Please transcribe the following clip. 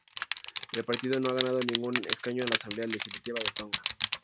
El partido no ha ganado ningún escaño a la Asamblea Legislativa de Tonga.